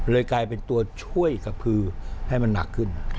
กลายเป็นตัวช่วยกระพือให้มันหนักขึ้น